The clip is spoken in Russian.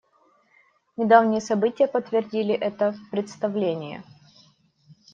Недавние события подтвердили это представление.